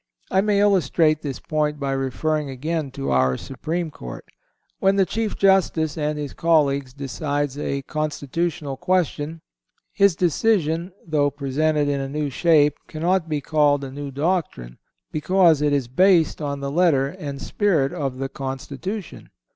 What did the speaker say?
I may illustrate this point by referring again to our Supreme Court. When the Chief Justice, with his colleagues, decides a constitutional question, his decision, though presented in a new shape, cannot be called a new doctrine, because it is based on the letter and spirit of the Constitution.